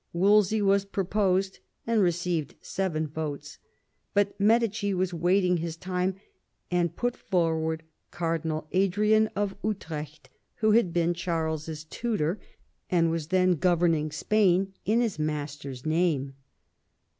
Wolsey was proposed, and received seven votes; but Medici was waiting his time, and put forward Car dinal Adrian of Utrecht, who had been Charles's tutor, 88 THOMAS WOLSEY chap. and was then governing Spain in his master's name.